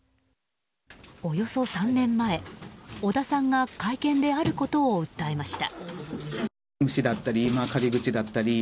およそ３年前、織田さんが会見であることを訴えました。